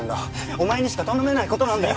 お前にしか頼めない事なんだよ！